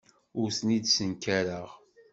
Ur ten-id-ssenkareɣ.